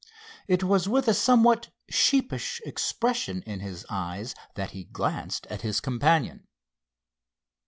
It was with a somewhat sheepish expression in his eyes that he glanced at his companion.